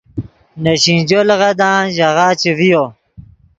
نے سینجو لیغدان ژاغہ چے ڤیو